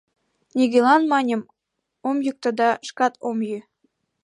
— Нигӧлан, маньым, ом йӱктӧ да шкат ом йӱ.